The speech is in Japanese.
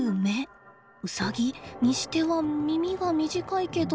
ウサギにしては耳が短いけど。